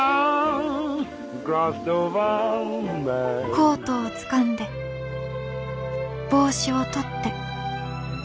「コートをつかんで帽子を取って」。